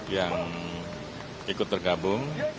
yang ikut tergabung